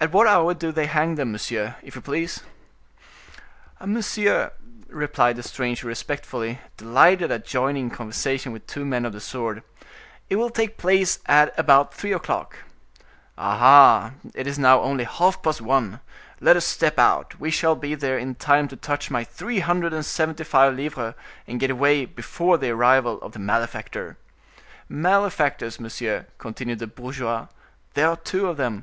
At what hour do they hang them, monsieur, if you please?" "Monsieur," replied the stranger respectfully, delighted at joining conversation with two men of the sword, "it will take place at about three o'clock." "Aha! it is now only half past one; let us step out, we shall be there in time to touch my three hundred and seventy five livres, and get away before the arrival of the malefactor." "Malefactors, monsieur," continued the bourgeois; "there are two of them."